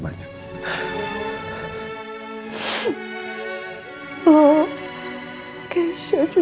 anda boleh pelewati